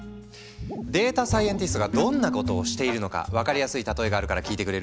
データサイエンティストがどんなことをしているのか分かりやすい例えがあるから聞いてくれる？